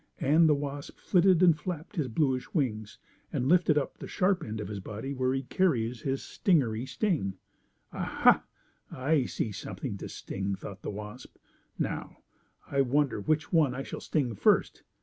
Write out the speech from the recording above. And the wasp flitted and flapped his bluish wings and lifted up the sharp end of his body where be carries his stingery sting. "Ah, ha! I see something to sting!" thought the wasp. "Now, I wonder which one I shall sting first?